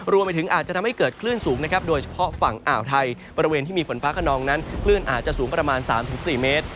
รวมไปถึงอาจจะทำให้เกิดคลื่นสูงนะครับโดยเฉพาะฝั่งอ่าวไทยบริเวณที่มีฝนฟ้าขนองนั้นคลื่นอาจจะสูงประมาณ๓๔เมตร